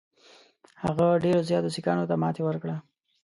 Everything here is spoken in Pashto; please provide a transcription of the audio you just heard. هغه ډېرو زیاتو سیکهانو ته ماته ورکړه.